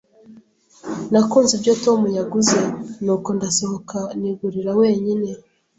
Nakunze ibyo Tom yaguze, nuko ndasohoka nigurira wenyine.